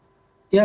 ya terima kasih pak